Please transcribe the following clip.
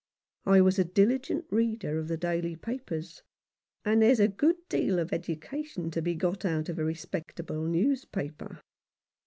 I was a diligent reader of the daily papers ; and there's a good deal of education to be got out of a respectable newspaper.